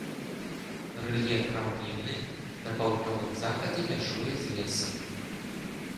Рэльеф раўнінны, на паўднёвым захадзе мяжуе з лесам.